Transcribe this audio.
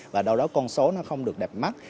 và đâu đó con số nó không được đẹp mắt